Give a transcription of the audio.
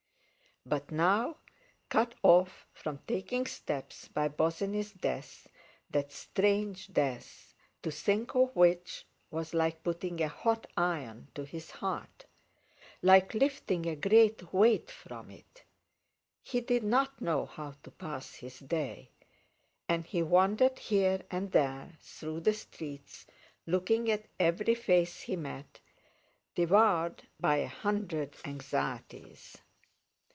But now, cut off from taking steps by Bosinney's death—that strange death, to think of which was like putting a hot iron to his heart, like lifting a great weight from it—he did not know how to pass his day; and he wandered here and there through the streets, looking at every face he met, devoured by a hundred anxieties.